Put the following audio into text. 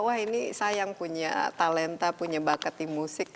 wah ini saya yang punya talenta punya bakat di musik